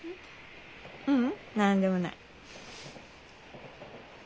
ううん何でもない。